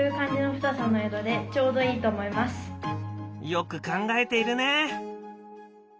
よく考えているね。